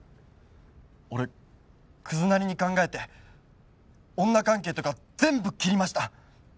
俺クズなりに考えて女関係とか全部切りました